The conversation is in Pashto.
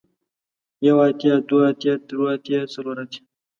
يو اتيا ، دوه اتيا ، دري اتيا ، څلور اتيا ،